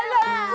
anak gua lah